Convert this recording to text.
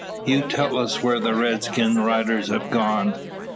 "You tell us where the redskin riders have gone."